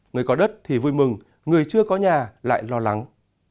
người có đất thì vui mừng người chưa có nhà lại lo lắng